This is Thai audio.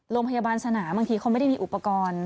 โรงพยาบาลสนามบางทีเขาไม่ได้มีอุปกรณ์